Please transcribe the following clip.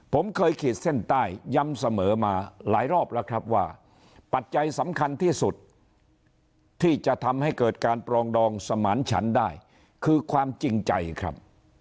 ผมเคยขีดเส้นใต้ย้ำเสมอมาหลายรอบแล้วครับว่าปัจจัยสำคัญที่สุดที่จะทำให้เกิดการปรองดองสมานฉันได้คือความจริงใจครับ